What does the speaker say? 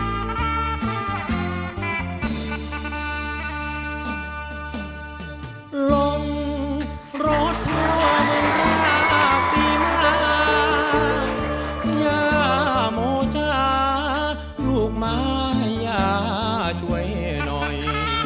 ย่าโมจ้าลูกมาย่าช่วยหน่อย